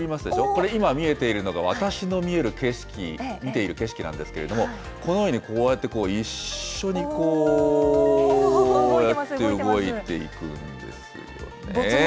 これ、見えているのが私の見える景色、見ている景色なんですけれども、このように、こうやってこう、一緒にこうやって動いていくんですよね。